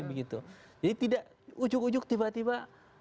jadi tidak ujuk ujuk tiba tiba